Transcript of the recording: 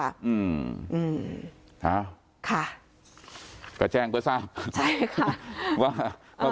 อืมค่ะค่ะก็แจ้งก็ทราบใช่ค่ะว่า